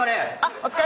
お疲れ。